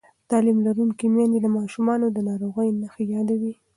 تعلیم لرونکې میندې د ماشومانو د ناروغۍ نښې یادوي.